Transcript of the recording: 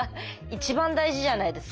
一番大事じゃないですか。